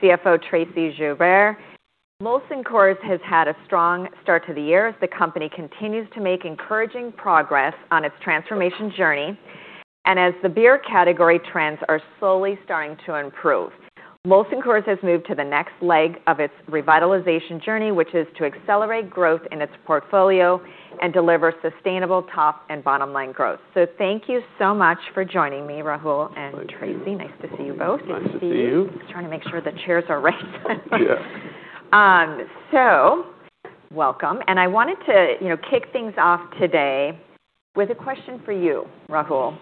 CFO Tracey Joubert. Molson Coors has had a strong start to the year as the company continues to make encouraging progress on its transformation journey. As the beer category trends are slowly starting to improve, Molson Coors has moved to the next leg of its revitalization journey, which is to accelerate growth in its portfolio and deliver sustainable top and bottom line growth. Thank you so much for joining me, Rahul. Tracey nice to see you both. Nice to see you. Just trying to make sure the chairs are right. Yeah. Welcome. I wanted to, you know, kick things off today with a question for you, Rahul.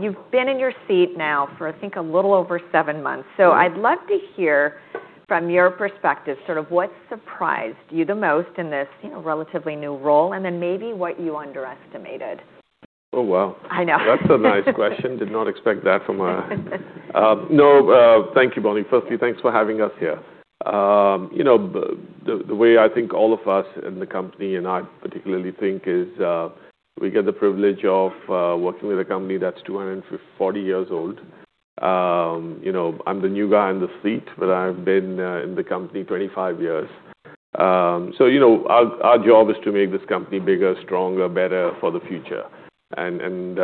You've been in your seat now for, I think, a little over seven months. I'd love to hear from your perspective sort of what surprised you the most in this, you know, relatively new role, and then maybe what you underestimated? Oh, wow. I know. That's a nice question. Did not expect that from a. No, thank you, Bonnie. Firstly, thanks for having us here. You know, the way I think all of us in the company and I particularly think is, we get the privilege of working with a company that's 240 years old. You know, I'm the new guy in the seat, but I've been in the company 25 years. You know, our job is to make this company bigger, stronger, better for the future, and,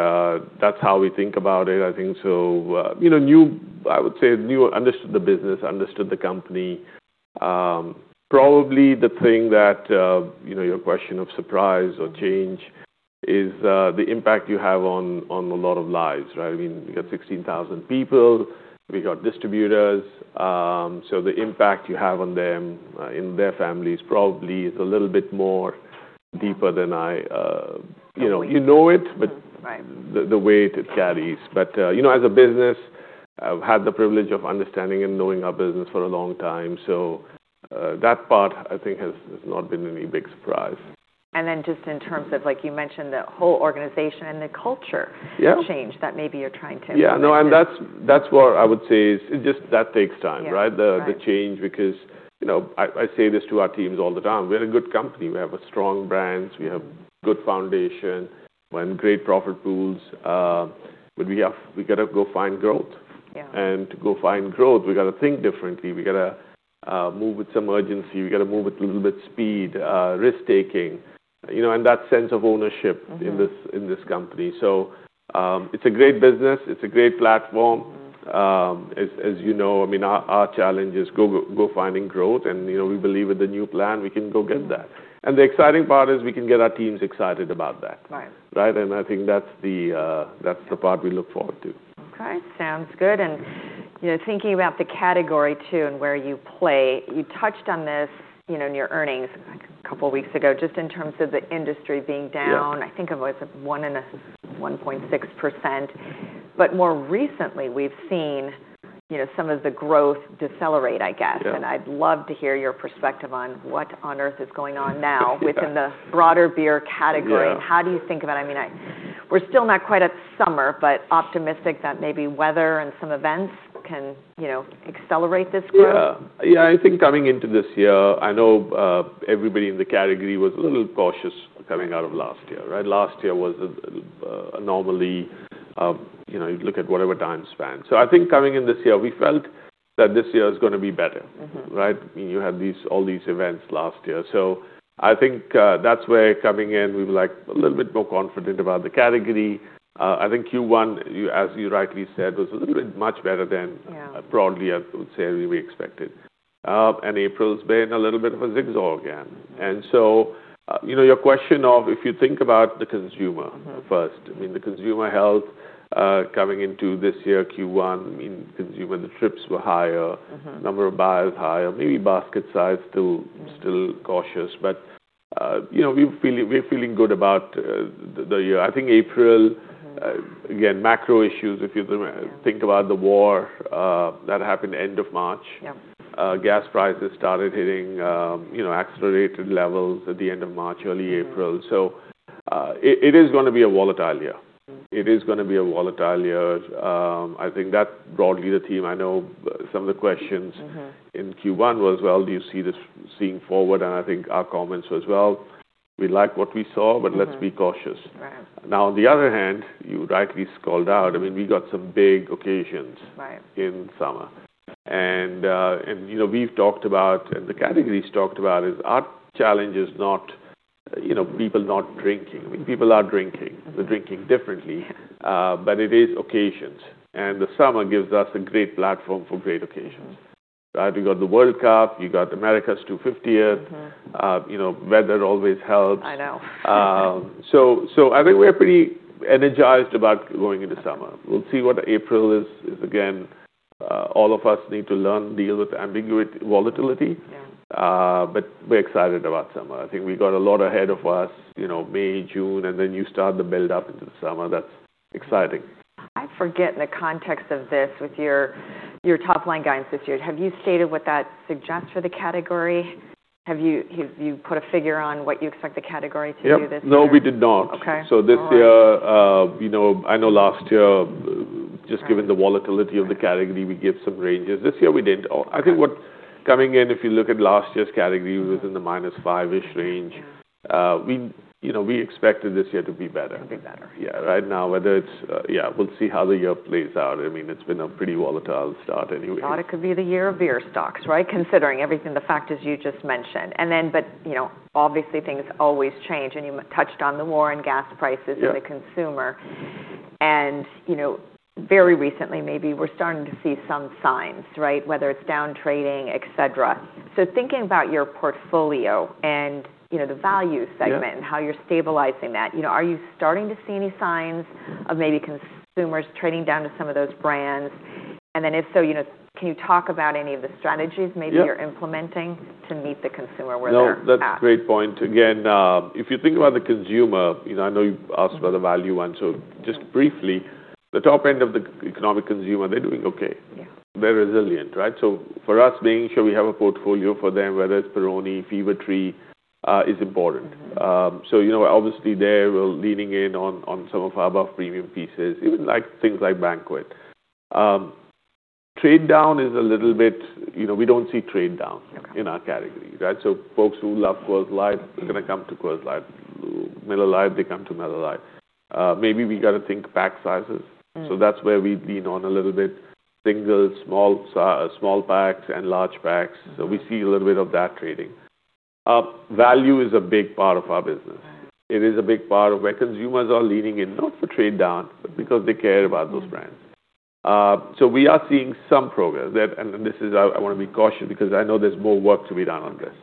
that's how we think about it, I think. You know, new I would say understood the business, understood the company. Probably the thing that, you know, your question of surprise or change is, the impact you have on a lot of lives, right? I mean, we got 16,000 people. We got distributors. The impact you have on them, and their families probably is a little bit more deeper than I, you know. You know it. Right the weight it carries. You know, as a business, I've had the privilege of understanding and knowing our business for a long time, so that part, I think, has not been any big surprise. Just in terms of, like you mentioned, the whole organization and the culture. Yeah. Change that maybe you're trying to implement. Yeah. No, that's where I would say is just that takes time, right? Yeah. Right. The change because, you know, I say this to our teams all the time. We're a good company. We have a strong brands. We have good foundation. We have great profit pools. We gotta go find growth. Yeah. To go find growth, we gotta think differently. We gotta move with some urgency. We gotta move with a little bit speed, risk-taking, you know, and that sense of ownership. in this company. It's a great business. It's a great platform. As you know, I mean, our challenge is go finding growth and, you know, we believe with the new plan we can go get that. The exciting part is we can get our teams excited about that. Right. Right? I think that's the part we look forward to. Okay. Sounds good. You know, thinking about the category too and where you play, you touched on this, you know, in your earnings, like, a couple weeks ago just in terms of the industry being down. Yeah. I think it was, like, 1.6%. More recently, we've seen, you know, some of the growth decelerate, I guess. Yeah. I'd love to hear your perspective on what on earth is going on now. Yeah. Within the broader beer category Yeah How do you think about it? I mean, we're still not quite at summer, but optimistic that maybe weather and some events can, you know, accelerate this growth. Yeah. Yeah, I think coming into this year, I know, everybody in the category was a little cautious coming out of last year, right? Last year was, anomaly. You know, you look at whatever time span. I think coming in this year, we felt that this year is gonna be better, right? You have these, all these events last year. I think that's where coming in, we were, like, a little bit more confident about the category. I think Q1, as you rightly said, was a little bit much better than. Yeah. Broadly, I would say, we expected. April's been a little bit of a zigzag again. you know, your question of if you think about the consumer. I mean, the consumer health coming into this year, Q1, I mean, the trips were higher. Number of buyers higher. Maybe basket size still cautious, you know, we're feeling good about the year. I think April. Again, macro issues, if you think about the war, that happened end of March. Yeah. Gas prices started hitting, you know, accelerated levels at the end of March, early April. It is gonna be a volatile year. It is gonna be a volatile year. I think that broadly the team I know some of the questions. in Q1 was, "Well, do you see this seeing forward?" I think our comments was, "Well, we like what we saw, but let's be cautious. Right. On the other hand, you rightly called out, I mean, we got some big occasions. Right. In summer. You know, we've talked about and the category's talked about is our challenge is not, you know, people not drinking. I mean, people are drinking. They're drinking differently. Yeah. It is occasions, and the summer gives us a great platform for great occasions. Right? You got the World Cup. You got America's 250th. You know, weather always helps. I know. I think we're pretty energized about going into summer. We'll see what April is again. All of us need to learn, deal with volatility. Yeah. We're excited about summer. I think we got a lot ahead of us, you know, May, June, and then you start the build up into the summer. That's exciting. I forget in the context of this with your top line guidance this year. Have you stated what that suggests for the category? Have you put a figure on what you expect the category to do this year? Yep. No, we did not. Okay. All right. This year, you know. Given the volatility of the category, we give some ranges. This year we didn't. Okay. I think Coming in, if you look at last year's category within the minus five-ish range. We, you know, we expected this year to be better. To be better. Yeah. Right now, whether it's, yeah, we'll see how the year plays out. I mean, it's been a pretty volatile start anyway. Thought it could be the year of beer stocks, right? Considering everything, the factors you just mentioned. You know, obviously things always change, and you touched on the war and gas prices. Yeah. The consumer. You know, very recently, maybe we're starting to see some signs, right, whether it's down trading, et cetera. Thinking about your portfolio and, you know, the value segment. Yeah. How you're stabilizing that, you know, are you starting to see any signs of maybe consumers trading down to some of those brands? If so, you know, can you talk about any of the strategies? Yeah. You're implementing to meet the consumer where they're at? No, that's a great point. Again, if you think about the consumer, you know, I know you asked about the value one, just briefly, the top end of the economic consumer, they're doing okay. Yeah. They're resilient, right? For us, making sure we have a portfolio for them, whether it's Peroni, Fever-Tree, is important. You know, obviously there we're leaning in on some of our above premium pieces, even like things like Banquet. Trade down is a little bit. We don't see trade down. In our category, right? folks who love Coors Light are gonna come to Coors Light. Miller Lite, they come to Miller Lite. maybe we gotta think pack sizes. That's where we lean on a little bit single, small packs and large packs. We see a little bit of that trading. Value is a big part of our business. Right. It is a big part of where consumers are leaning in, not for trade down, but because they care about those brands. We are seeing some progress. This is, I want to be cautious because I know there's more work to be done on this.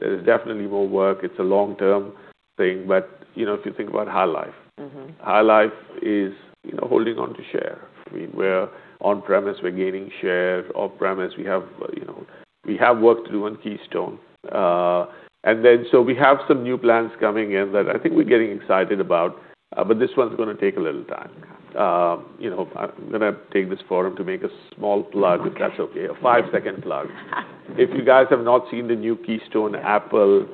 There is definitely more work. It's a long-term thing. You know, if you think about High Life. High Life is, you know, holding on to share. I mean, we're on premise, we're gaining share. Off premise, we have, you know, we have work to do on Keystone. We have some new plans coming in that I think we're getting excited about. This one's gonna take a little time. You know, I'm gonna take this Forum to make a small plug. If that's okay, a five second plug. If you guys have not seen the new Keystone Light Apple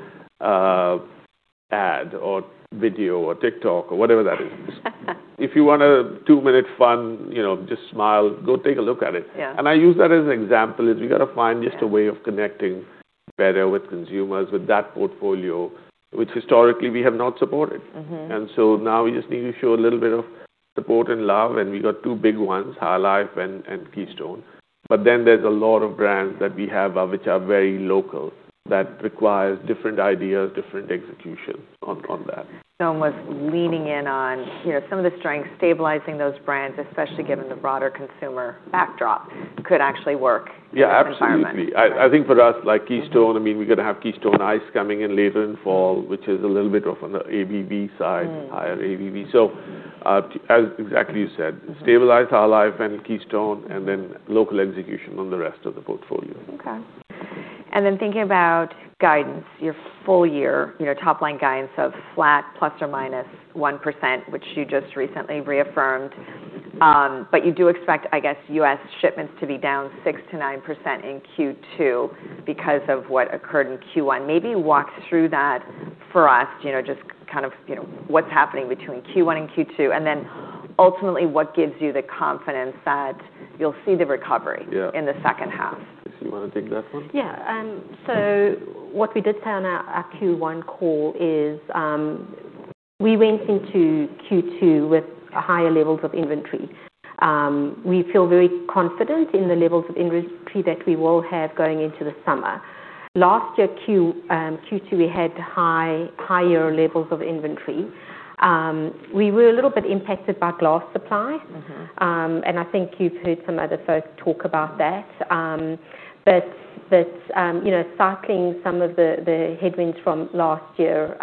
ad or video or TikTok or whatever that is, if you want a two minute fun, you know, just smile, go take a look at it. Yeah. I use that as an example, is we gotta find a way of connecting better with consumers with that portfolio, which historically we have not supported. Now we just need to show a little bit of support and love, and we got two big ones, High Life and Keystone. There's a lot of brands that we have, which are very local that requires different ideas, different execution on that. Almost leaning in on, you know, some of the strengths, stabilizing those brands, especially given the broader consumer backdrop could actually work. Yeah, absolutely. In this environment. I think for us, like Keystone, I mean, we're gonna have Keystone Ice coming in later in fall, which is a little bit of on the ABV side higher ABV, as exactly you said. Stabilize High Life and Keystone, and then local execution on the rest of the portfolio. Okay. Thinking about guidance, your full year, you know, top line guidance of flat ±1%, which you just recently reaffirmed. You do expect, I guess, U.S. shipments to be down 6%-9% in Q2 because of what occurred in Q1. Maybe walk through that for us, you know, just kind of, you know, what's happening between Q1 and Q2, then ultimately what gives you the confidence that you'll see the recovery. Yeah In the second half? Tracey, you wanna take that one? Yeah. What we did say on our Q1 call is, we went into Q2 with higher levels of inventory. We feel very confident in the levels of inventory that we will have going into the summer. Last year Q and Q2, we had higher levels of inventory. We were a little bit impacted by glass supply. I think you've heard some other folks talk about that. You know, cycling some of the headwinds from last year,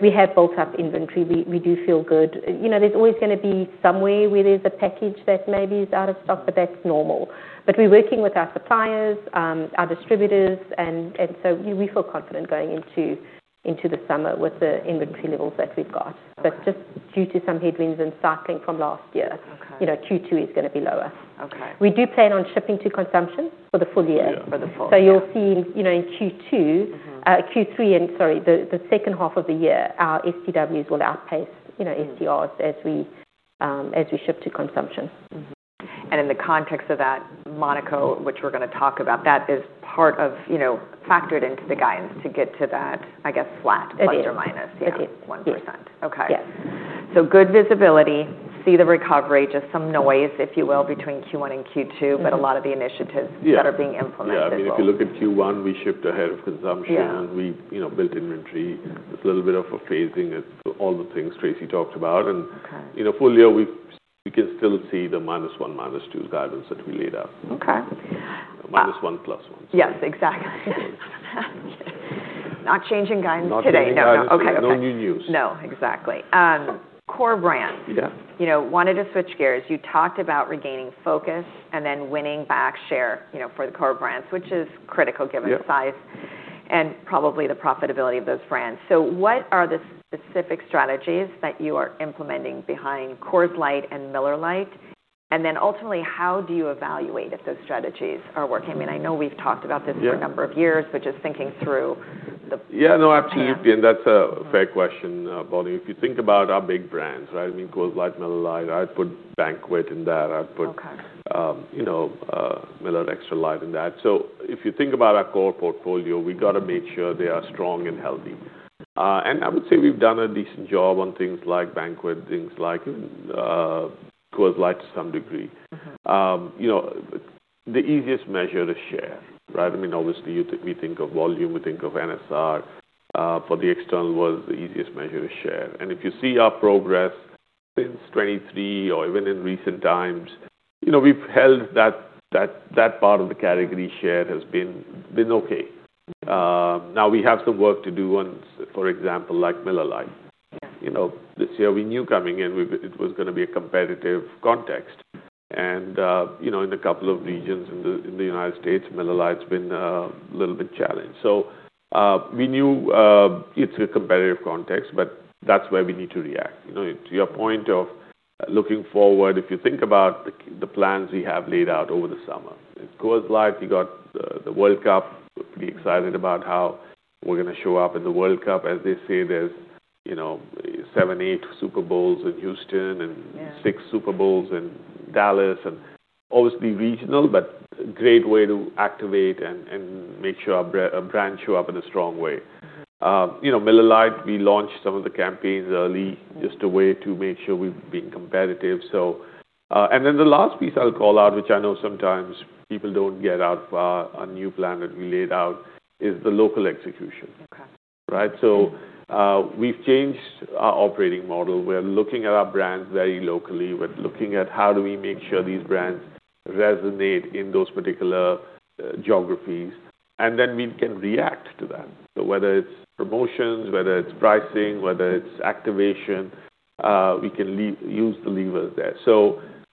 we have built up inventory. We do feel good. You know, there's always gonna be somewhere where there's a package that maybe is out of stock, but that's normal. We're working with our suppliers, our distributors, and so we feel confident going into the summer with the inventory levels that we've got. Just due to some headwinds and cycling from last year. Okay You know, Q2 is gonna be lower. Okay. We do plan on shipping to consumption for the full year. Yeah. For the full. You'll see, you know, in Q2. Q3, and sorry, the second half of the year, our STWs will outpace, you know. STRs as we, as we ship to consumption. Mm-hmm. In the context of that, Monaco, which we're going to talk about, that is part of, you know, factored into the guidance to get to that, I guess. It is. ± It is. yeah, 1%. Yes. Okay. Yes. Good visibility. See the recovery. Just some noise, if you will, between Q1 and Q2. A lot of the initiatives. Yeah. That are being implemented. Yeah. I mean, if you look at Q1, we shipped ahead of consumption. Yeah. We, you know, built inventory. Yeah. There's a little bit of a phasing as to all the things Tracey talked about. Okay. You know, full year we can still see the -1% to -2% guidance that we laid out. Okay. Wow. -1, +1. Yes, exactly. Not changing guidance today. No. No. Okay. Okay. No new news. No, exactly. core brands. Yeah. You know, I wanted to switch gears. You talked about regaining focus and then winning back share, you know, for the core brands, which is critical given. Yeah. The size and probably the profitability of those brands. What are the specific strategies that you are implementing behind Coors Light and Miller Lite? Ultimately, how do you evaluate if those strategies are working? I mean, I know we've talked about this. Yeah. For a number of years, but just thinking through. Yeah, no, absolutely. Yeah. That's a fair question, Bonnie. If you think about our big brands, right, I mean, Coors Light, Miller Lite, I'd put Banquet in that. Okay. You know, Miller High Life in that. If you think about our core portfolio, we gotta make sure they are strong and healthy. I would say we've done a decent job on things like Banquet, things like Coors Light to some degree. You know, the easiest measure to share, right? I mean, obviously we think of volume, we think of NSR. For the external world, the easiest measure to share. If you see our progress since 2023 or even in recent times, you know, we've held that part of the category share has been okay. Now we have some work to do on, for example, like Miller Lite. Yeah. You know, this year we knew coming in it was gonna be a competitive context. You know, in a couple of regions in the United States, Miller Lite's been a little bit challenged. We knew it's a competitive context, but that's where we need to react. You know, to your point of looking forward, if you think about the plans we have laid out over the summer. In Coors Light, we got the World Cup. We're pretty excited about how we're gonna show up in the World Cup. As they say, there's, you know, seven, eight Super Bowls in Houston. Yeah. Six Super Bowls in Dallas and obviously regional, but great way to activate and make sure our brand show up in a strong way. You know, Miller Lite, we launched some of the campaigns early, just a way to make sure we've been competitive, so. The last piece I'll call out, which I know sometimes people don't get out of our new plan that we laid out, is the local execution. Okay. Right? We've changed our operating model. We're looking at our brands very locally. We're looking at how do we make sure these brands resonate in those particular geographies, and then we can react to that. Whether it's promotions, whether it's pricing, whether it's activation, we can use the levers there.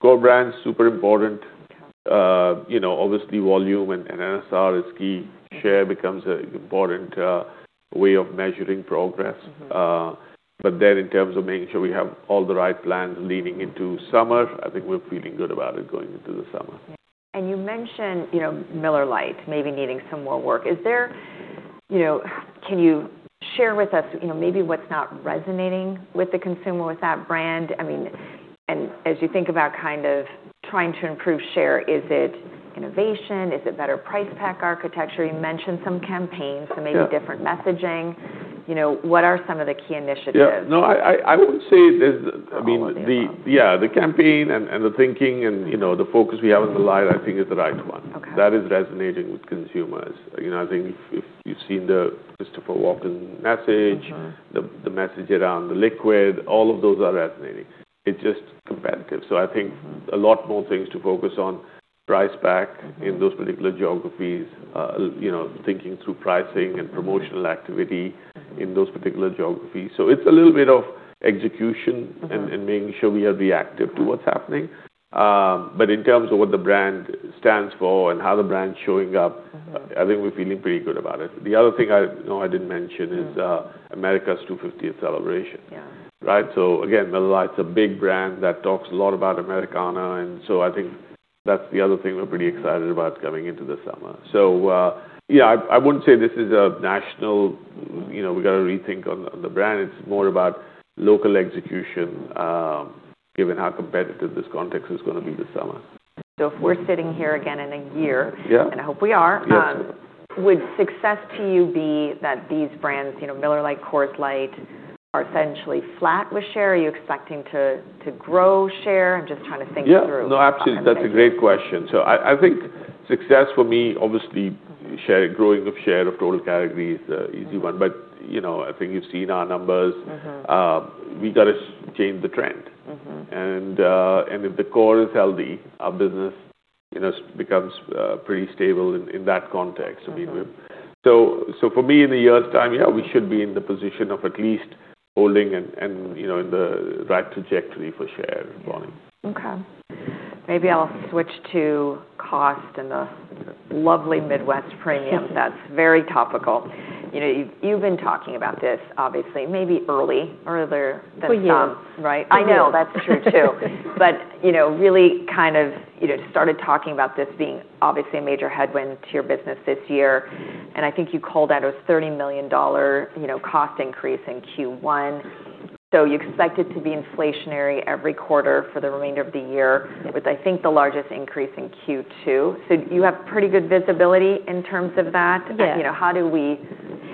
Core brands, super important. Okay. You know, obviously volume and NSR is key. Share becomes an important way of measuring progress. In terms of making sure we have all the right plans leading into summer, I think we're feeling good about it going into the summer. You mentioned, you know, Miller Lite maybe needing some more work. Can you share with us, you know, maybe what's not resonating with the consumer with that brand? I mean, as you think about kind of trying to improve share, is it innovation? Is it better price pack architecture? You mentioned some campaigns. Yeah. Maybe different messaging. You know, what are some of the key initiatives? Yeah. No, I wouldn't say there's. All available. The campaign and the thinking and, you know, the focus we have on the live I think is the right one. Okay. That is resonating with consumers. You know, I think if you've seen the Christopher Walken message. the message around the liquid, all of those are resonating. It's just competitive. I think a lot more things to focus on. In those particular geographies. you know, thinking through pricing and promotional activity. In those particular geographies. It's a little bit of execution. And making sure we are reactive to what's happening. In terms of what the brand stands for and how the brand's showing up. I think we're feeling pretty good about it. The other thing I know I didn't mention is. America's 250th celebration. Yeah. Right? Again, Miller Lite's a big brand that talks a lot about Americana, I think that's the other thing we're pretty excited about coming into the summer. Yeah, I wouldn't say this is a national, you know, we gotta rethink on the brand. It's more about local execution, given how competitive this context is gonna be this summer. If we're sitting here again in a year. Yeah. And I hope we are. Would success to you be that these brands, you know, Miller Lite, Coors Light, are essentially flat with share? Are you expecting to grow share? I'm just trying to think through. Yeah. No, absolutely. Okay, great. That's a great question. I think success for me. Share, growing of share of total category is a easy one. You know, I think you've seen our numbers. We gotta change the trend. If the core is healthy, our business, you know, becomes pretty stable in that context. I mean, for me in a year's time, yeah, we should be in the position of at least holding and, you know, in the right trajectory for share volume. Okay. Maybe I'll switch to cost and the lovely Midwest Premium, that's very topical. You know, you've been talking about this obviously maybe earlier than some. For years. Right? I know. That's true too. You know, really kind of, you know, started talking about this being obviously a major headwind to your business this year, and I think you called out a $30 million, you know, cost increase in Q1. You expect it to be inflationary every quarter for the remainder of the year. Yeah. With I think the largest increase in Q2. You have pretty good visibility in terms of that? Yeah. You know, how do we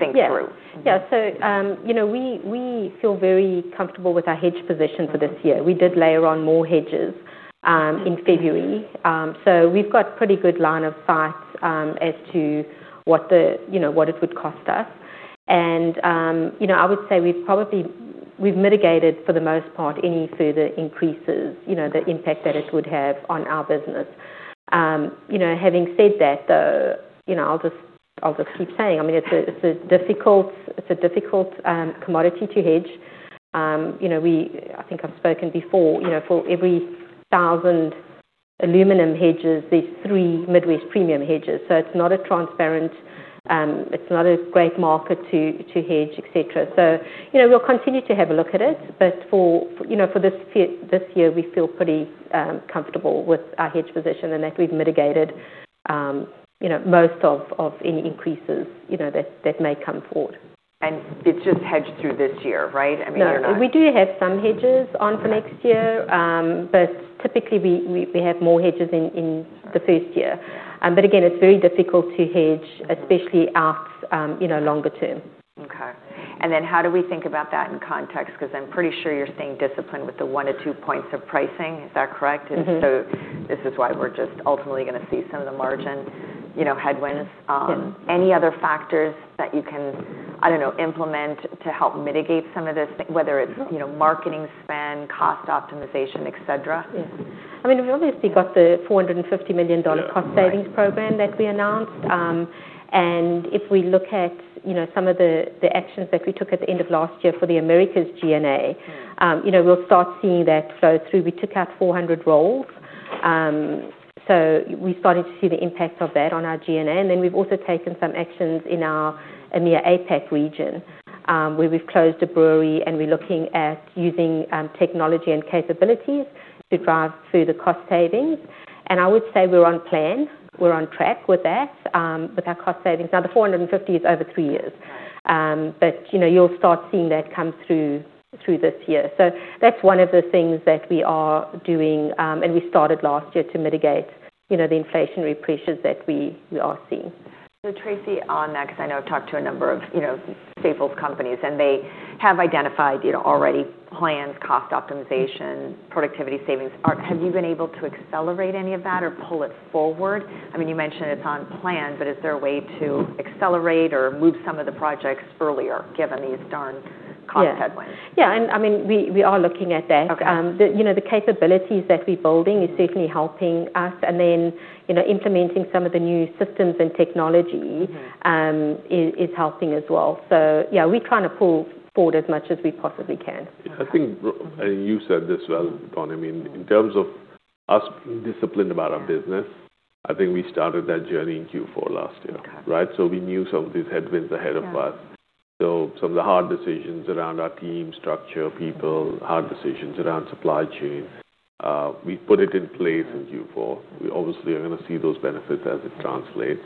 think through? You know, we feel very comfortable with our hedge position for this year. We did layer on more hedges in February. We've got pretty good line of sight as to what the, you know, what it would cost us. You know, I would say we've probably mitigated, for the most part, any further increases, you know, the impact that it would have on our business. You know, having said that, though, you know, I'll just keep saying, I mean, it's a difficult commodity to hedge. You know, I think I've spoken before, you know, for every 1,000 aluminum hedges, there's three Midwest Premium hedges. It's not a transparent, it's not a great market to hedge, et cetera. You know, we'll continue to have a look at it. For, you know, for this year, we feel pretty comfortable with our hedge position and that we've mitigated, you know, most of any increases, you know, that may come forward. It's just hedged through this year, right? No, we do have some hedges on for next year. Typically we have more hedges in the first year. Again, it's very difficult to hedge, especially out, you know, longer term. Okay. How do we think about that in context? Because I'm pretty sure you're staying disciplined with the 1 to 2 points of pricing. Is that correct? This is why we're just ultimately gonna see some of the margin, you know, headwinds. Yeah. Any other factors that you can, I don't know, implement to help mitigate some of this, whether it's? You know, marketing spend, cost optimization, et cetera? Yeah. I mean, we've obviously got the $450 million dollar cost savings program that we announced. If we look at, you know, some of the actions that we took at the end of last year for the Americas G&A. you know, we'll start seeing that flow through. We took out 400 roles. We started to see the impact of that on our G&A. We've also taken some actions in the APAC region, where we've closed a brewery and we're looking at using technology and capabilities to drive further cost savings. I would say we're on plan. We're on track with that, with our cost savings. Now, the 450 is over three years. You know, you'll start seeing that come through this year. That's one of the things that we are doing, and we started last year to mitigate, you know, the inflationary pressures that we are seeing. Tracey, on that, because I know I've talked to a number of, you know, staples companies, and they have identified, you know, already plans, cost optimization, productivity savings. Have you been able to accelerate any of that or pull it forward? I mean, you mentioned it's on plan, but is there a way to accelerate or move some of the projects earlier given these darn cost headwinds? Yeah. Yeah, I mean, we are looking at that. Okay. The capabilities that we're building is certainly helping us and then, you know, implementing some of the new systems and technology is helping as well. Yeah, we're trying to pull forward as much as we possibly can. Okay. I think, I mean, you said this well, Bonnie. I mean, in terms of us being disciplined about our business, I think we started that journey in Q4 last year. Okay. Right? We knew some of these headwinds ahead of us. Yeah. Some of the hard decisions around our team structure, people, hard decisions around supply chain, we put it in place in Q4. We obviously are gonna see those benefits as it translates.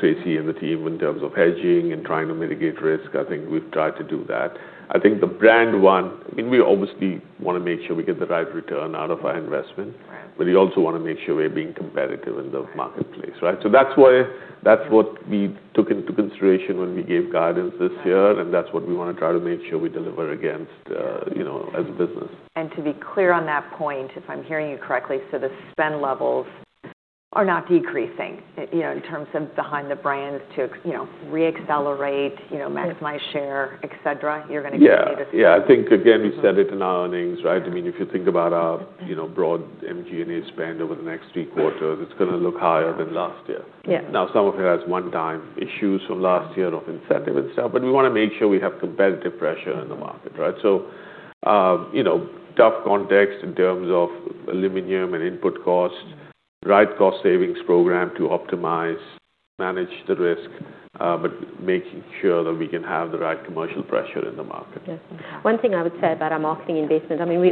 Tracey and the team, in terms of hedging and trying to mitigate risk, I think we've tried to do that. I think the brand one, I mean, we obviously wanna make sure we get the right return out of our investment. Right. We also wanna make sure we're being competitive in the marketplace, right? That's what we took into consideration when we gave guidance this year. That's what we wanna try to make sure we deliver against, you know, as a business. To be clear on that point, if I'm hearing you correctly, the spend levels are not decreasing, you know, in terms of behind the brands to you know, re-accelerate, you know, maximize share, et cetera. You're gonna continue to. Yeah. Yeah. I think, again, we said it in our earnings, right? I mean, if you think about our, you know, broad MG&A spend over the next three quarters, it's gonna look higher than last year. Yeah. Some of it has one-time issues from last year of incentive and stuff, but we wanna make sure we have competitive pressure in the market, right? You know, tough context in terms of aluminum and input costs. Right cost savings program to optimize, manage the risk, but making sure that we can have the right commercial pressure in the market. Yeah. One thing I would say about our marketing investment, I mean,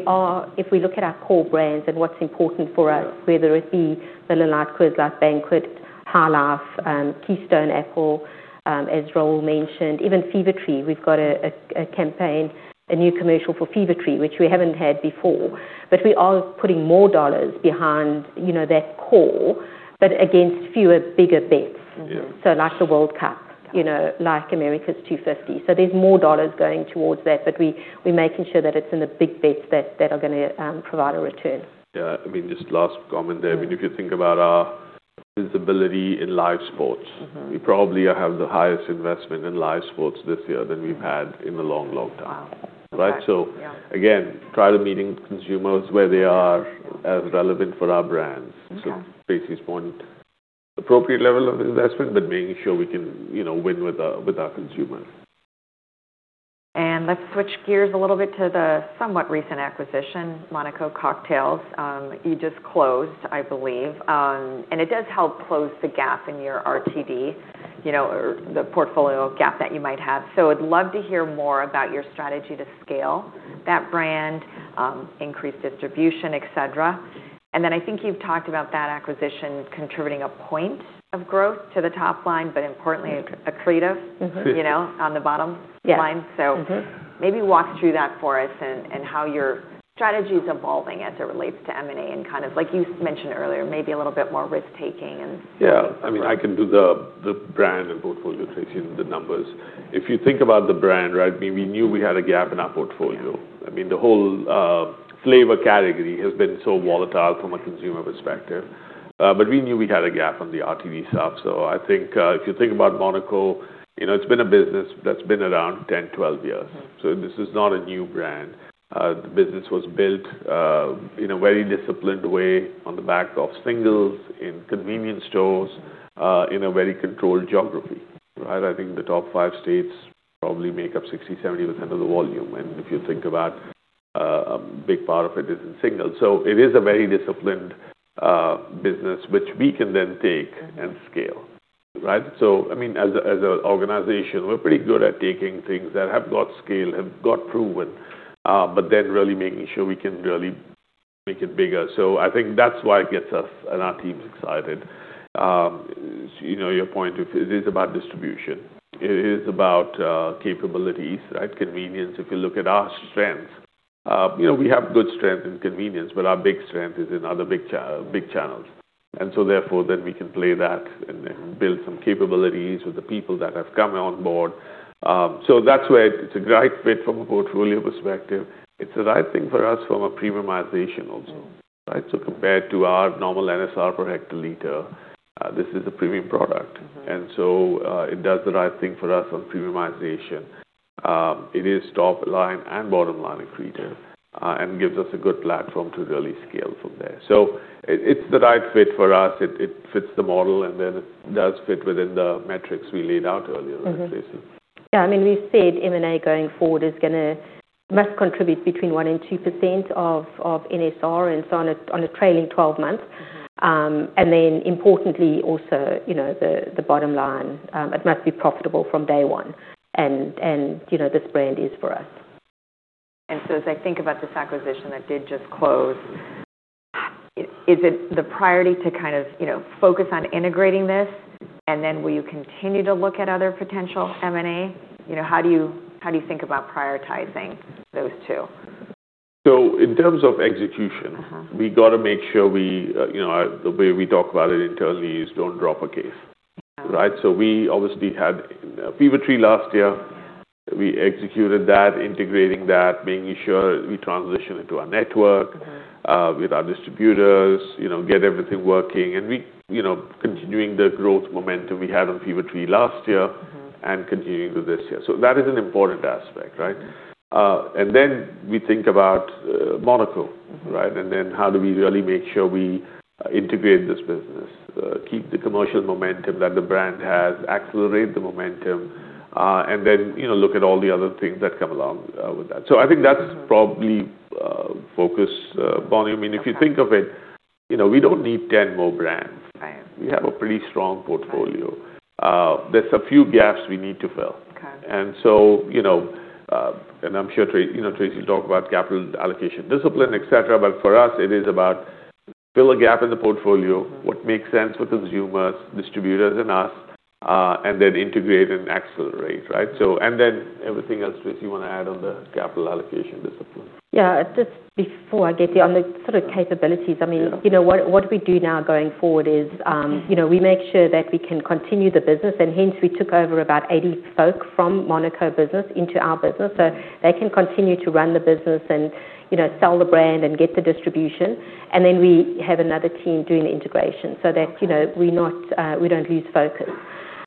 if we look at our core brands and what's important for us. Yeah whether it be Miller Lite, Coors Light, Banquet, High Life, Keystone Light Apple, as Rahul mentioned, even Fever-Tree. We've got a, a campaign, a new commercial for Fever-Tree, which we haven't had before. We are putting more dollars behind, you know, that core, but against fewer, bigger bets. Yeah. Like the World Cup, you know, like America's 250th. There's more dollars going towards that, but we're making sure that it's in the big bets that are going to provide a return. Yeah. I mean, just last comment there. I mean, if you think about our visibility in live sports. We probably have the highest investment in live sports this year than we've had in a long, long time. Wow. Okay. Right? Yeah Try meeting consumers where they are as relevant for our brands. Okay. Tracey's point, appropriate level of investment, but making sure we can, you know, win with our, with our consumers. Let's switch gears a little bit to the somewhat recent acquisition, Monaco Cocktails. You just closed, I believe. It does help close the gap in your RTD, you know, or the portfolio gap that you might have. I'd love to hear more about your strategy to scale that brand, increase distribution, et cetera. I think you've talked about that acquisition contributing a point of growth to the top line, but importantly, accretive. You know, on the bottom line. Yeah. Mm-hmm. Maybe walk through that for us and how your strategy is evolving as it relates to M&A and kind of like you mentioned earlier, maybe a little bit more risk-taking. Yeah. I mean, I can do the brand and portfolio, Tracey, and the numbers. If you think about the brand, right, we knew we had a gap in our portfolio. I mean, the whole flavor category has been so volatile from a consumer perspective. We knew we had a gap on the RTD stuff. I think, if you think about Monaco, you know, it's been a business that's been around 10, 12 years. This is not a new brand. The business was built in a very disciplined way on the back of singles in convenience stores in a very controlled geography. Right? I think the top five states probably make up 60%, 70% of the volume. If you think about a big part of it is in singles. It is a very disciplined business, which we can then take and scale. Right? I mean, as an organization, we're pretty good at taking things that have got scale, have got proven, but then really making sure we can really make it bigger. I think that's why it gets us and our teams excited. You know, your point, if it is about distribution, it is about capabilities, right? Convenience. If you look at our strengths, you know, we have good strength in convenience, but our big strength is in other big channels. Therefore, we can play that and then build some capabilities with the people that have come on board. That's where it's a right fit from a portfolio perspective. It's the right thing for us from a premiumization also. Right? Compared to our normal NSR per hectoliter, this is a premium product. It does the right thing for us on premiumization. It is top line and bottom line accretive. Gives us a good platform to really scale from there. It's the right fit for us. It fits the model, it does fit within the metrics we laid out earlier, right, Traey? Yeah, I mean, we've said M&A going forward is gonna must contribute between 1% and 2% of NSR and so on a, on a trailing 12-month. Importantly also, you know, the bottom line, it must be profitable from day one. You know, this brand is for us. As I think about this acquisition that did just close, is it the priority to kind of, you know, focus on integrating this? Will you continue to look at other potential M&A? You know, how do you, how do you think about prioritizing those two? In terms of execution. We gotta make sure we, you know, the way we talk about it internally is don't drop a case. Yeah. Right? We obviously had Fever-Tree last year. We executed that, integrating that, making sure we transition into our network. With our distributors, you know, get everything working. We, you know, continuing the growth momentum we had on Fever-Tree last year. Continuing with this year. That is an important aspect, right? Then we think about Monaco. Right? Then how do we really make sure we integrate this business, keep the commercial momentum that the brand has, accelerate the momentum, and then, you know, look at all the other things that come along, with that. Probably, focus, Bonnie. I mean, if you think of it, you know, we don't need 10 more brands. Right. We have a pretty strong portfolio. There's a few gaps we need to fill. Okay. You know, and I'm sure you know, Tracey will talk about capital allocation discipline, et cetera, but for us it is about fill a gap in the portfolio. What makes sense for consumers, distributors, and us, and then integrate and accelerate, right? Everything else, Tracey, you wanna add on the capital allocation discipline? Yeah. Just before I get there, on the sort of capabilities, I mean. Yeah You know, what we do now going forward is. We make sure that we can continue the business, and hence we took over about 80 folk from Monaco business into our business, so they can continue to run the business and, you know, sell the brand and get the distribution. Then we have another team doing the integration. We don't lose focus.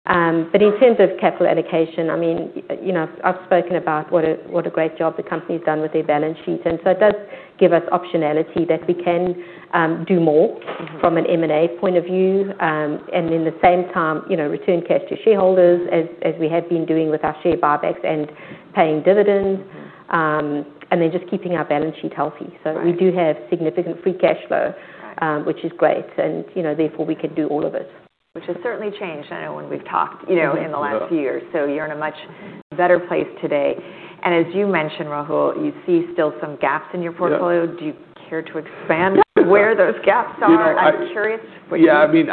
In terms of capital allocation, I mean, you know, I've spoken about what a, what a great job the company's done with their balance sheet, and so it does give us optionality that we can do more. From an M&A point of view. In the same time, you know, return cash to shareholders as we have been doing with our share buybacks and paying dividends. Just keeping our balance sheet healthy. Right. We do have significant free cash flow. Which is great. You know, therefore we can do all of it. Which has certainly changed, I know, when we've talked, you know, in the last few years. Yeah. You're in a much better place today. As you mentioned, Rahul, you see still some gaps in your portfolio. Yeah. Do you care to expand where those gaps are? You know. I'm curious what you. Yeah, I mean,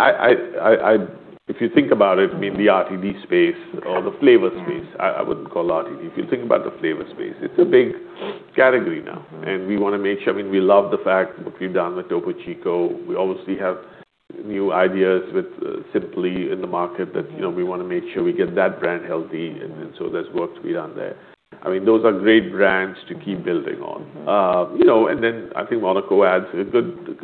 if you think about it, I mean, the RTD space or the flavor space. Yeah. I wouldn't call RTD. If you think about the flavor space, it's a big category now. We wanna make sure I mean, we love the fact what we've done with Topo Chico. We obviously have new ideas with Simply in the market. You know, we wanna make sure we get that brand healthy and then, so there's work to be done there. I mean, those are great brands to keep building on. Then I think Monaco adds a good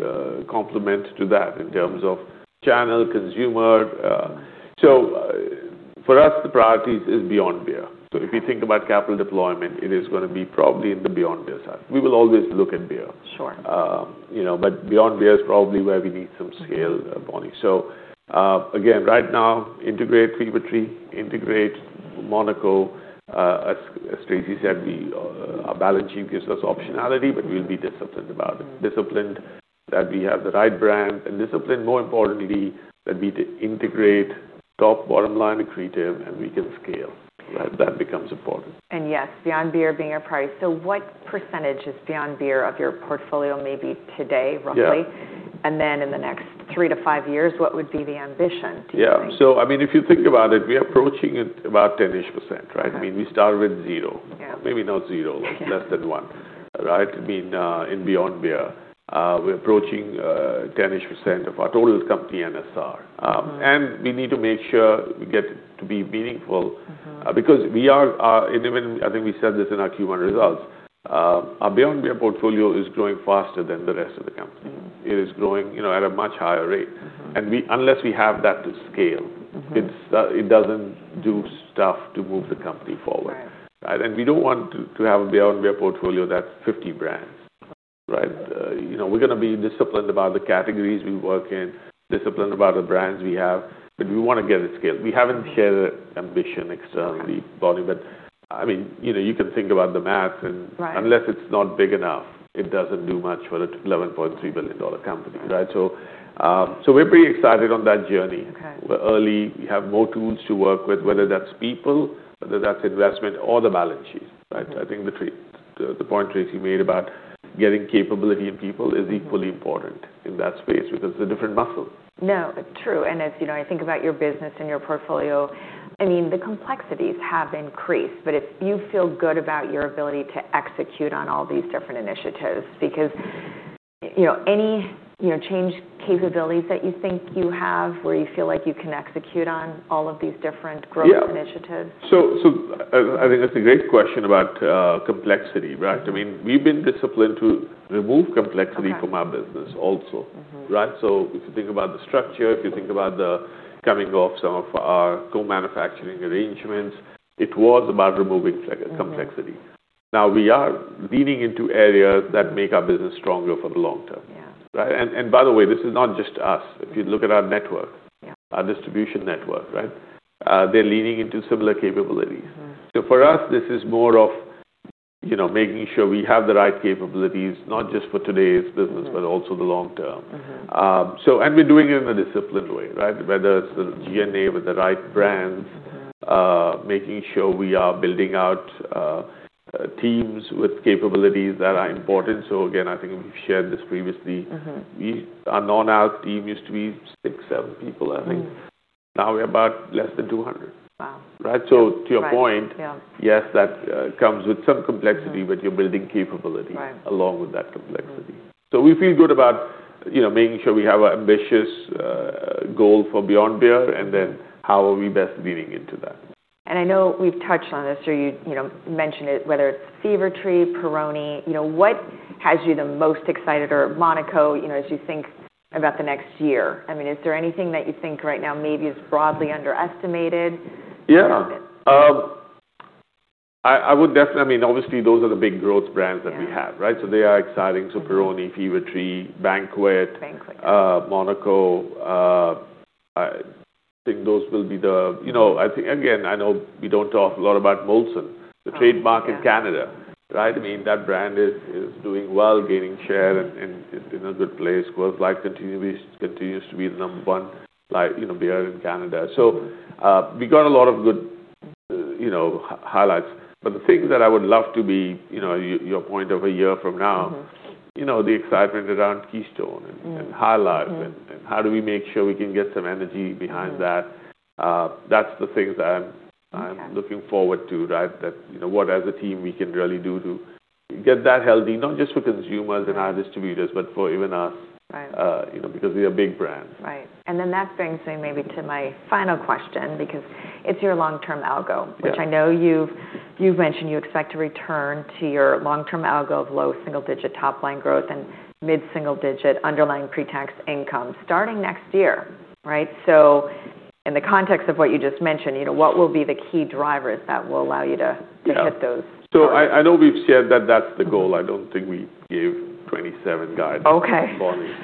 complement to that in terms of channel, consumer. For us, the priorities is beyond beer. Okay. If you think about capital deployment, it is going to be probably in the beyond beer side. We will always look at beer. Sure. You know, beyond beer is probably where we need some scale, Bonnie. Again, right now integrate Fever-Tree, integrate Monaco Cocktails. As Tracey said, we, our balance sheet gives us optionality, but we'll be disciplined about it. Disciplined that we have the right brand, and disciplined more importantly that we integrate top, bottom line accretive, and we can scale. Right. That becomes important. Yes, beyond beer being your priority. What percentage is beyond beer of your portfolio maybe today, roughly? Yeah. In the next three years to five years, what would be the ambition, do you think? Yeah. I mean, if you think about it, we are approaching it about 10-ish %, right? Okay. I mean, we started with zero. Yeah. Maybe not zero. Less than one, right? I mean, in beyond beer, we're approaching 10% of our total company NSR. We need to make sure we get to be meaningful. Because we are, and even I think we said this in our Q1 results, our beyond beer portfolio is growing faster than the rest of the company. It is growing, you know, at a much higher rate. We, unless we have that to scale. It's, it doesn't do stuff to move the company forward. Right. Right? We don't want to have a beyond beer portfolio that's 50 brands, right? Okay. You know, we're gonna be disciplined about the categories we work in, disciplined about the brands we have, but we wanna get it scaled. We haven't shared ambition externally, Bonnie. Okay. I mean, you know, you can think about the math. Right. Unless it's not big enough, it doesn't do much for the $11.3 billion company, right? We're pretty excited on that journey. Okay. We're early. We have more tools to work with, whether that's people, whether that's investment or the balance sheet, right? I think the point Tracey made about getting capability in people is equally. Important in that space because it's a different muscle. No, true. As, you know, I think about your business and your portfolio, I mean, the complexities have increased, but if you feel good about your ability to execute on all these different initiatives because, you know, any change capabilities that you think you have where you feel like you can execute on all of these different growth initiatives? Yeah. I think that's a great question about complexity, right? I mean, we've been disciplined to remove complexity. Okay. From our business also. If you think about the structure, if you think about the cutting off some of our co-manufacturing arrangements, it was about removing complexity. We are leaning into areas that make our business stronger for the long term. By the way, this is not just us. If you look at our network. Our distribution network, right? They're leaning into similar capabilities. For us, this is more of, you know, making sure we have the right capabilities, not just for today's business. Also the long term. We're doing it in a disciplined way, right? Whether it's the G&A with the right brands, making sure we are building out, teams with capabilities that are important. Again, I think we've shared this previously. Our non-alc team used to be six, seven people, I think. Now we're about less than 200. Wow. Right? Yeah. To your point. Right. Yeah Yes, that comes with some complexity. You're building capability. Right Along with that complexity. We feel good about, you know, making sure we have ambitious goal for Beyond Beer, and then how are we best leaning into that? I know we've touched on this or you know, mentioned it, whether it's Fever-Tree, Peroni, you know, what has you the most excited, or Monaco, you know, as you think about the next year? I mean, is there anything that you think right now maybe is broadly underestimated? I would definitely I mean, obviously those are the big growth brands that we have. Yeah. Right? They are exciting. Peroni, Fever-Tree, Banquet. Banquet. Monaco. I think those will be. You know, I think, again, I know we don't talk a lot about Molson. Oh, yeah. the trademark in Canada, right? I mean, that brand is doing well, gaining share in a good place. Coors Light continues to be the number one, like, you know, beer in Canada. We got a lot of good, you know, highlights. The thing that I would love to be, you know, your point of a year from now. You know, the excitement around Keystone high Life. How do we make sure we can get some energy behind that. That's the things I'm looking forward to, right? That, you know, what as a team we can really do to get that healthy, not just for consumers and our distributors, but for even us. Right. You know, because we are big brands. Right. Then that brings me maybe to my final question, because it's your long-term. Yeah. Which I know you've mentioned you expect to return to your long-term algo of low single-digit top-line growth and mid-single-digit underlying pre-tax income starting next year, right? In the context of what you just mentioned, you know, what will be the key drivers that will allow you to hit those targets? Yeah. I know we've said that that's the goal. I don't think we gave 2027 guidance. Okay. This morning.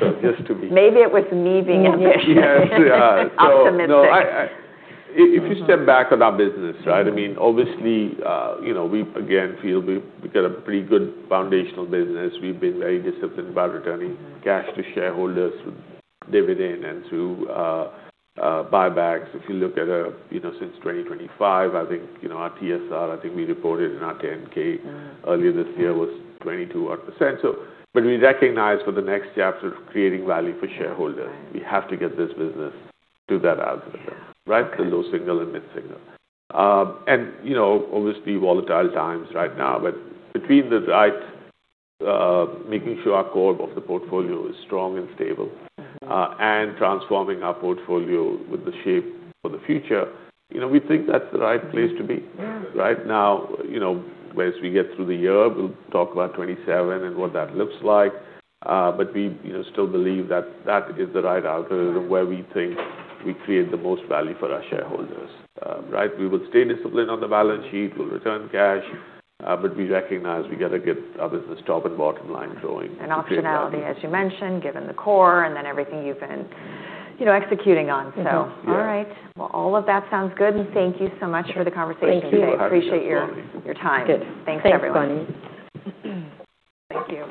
Maybe it was me being optimistic. Yes. Yeah. Optimistic. No, I If you step back on our business, right? I mean, obviously, you know, we again feel we've got a pretty good foundational business. We've been very disciplined about returning cash to shareholders through dividend and through buybacks. If you look at, you know, since 2025, I think, you know, our TSR, I think we reported in our 10-K. Earlier this year was 22 odd %. We recognize for the next chapter of creating value for shareholders. Right? We have to get this business to that algorithm. The low single and mid-single. You know, obviously volatile times right now, but between the right, making sure our core of the portfolio is strong and stable. Transforming our portfolio with the shape for the future, you know, we think that's the right place to be. Right now, you know, whereas we get through the year, we'll talk about 2027 and what that looks like. We, you know, still believe that that is the right algorithm. Where we think we create the most value for our shareholders. Right. We will stay disciplined on the balance sheet. We'll return cash. We recognize we gotta get our business top and bottom line growing. Optionality, as you mentioned, given the core and then everything you've been, you know, executing on. Mm-hmm. Yeah. All right. Well, all of that sounds good, and thank you so much for the conversation today. Thank you. I appreciate your calling. I appreciate your time. Good. Thanks, everyone. Thanks, Bonnie. Thank you.